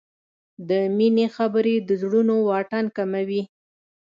د مینې خبرې د زړونو واټن کموي.